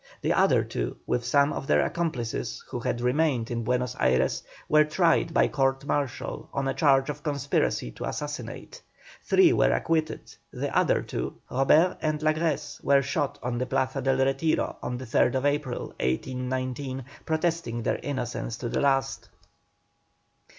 The other two, with some of their accomplices who had remained in Buenos Ayres, were tried by court martial on a charge of conspiracy to assassinate. Three were acquitted, the other two, Robert and Lagresse, were shot on the Plaza del Retiro on the 3rd April, 1819, protesting their innocence to the last.